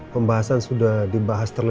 pembahasan ini sudah dibahas ke nona